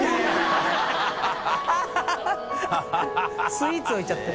スイーツ置いちゃった。